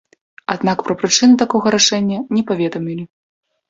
Аднак пра прычыны такога рашэння не паведамілі.